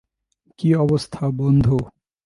কী অবস্থা, বন্ধু?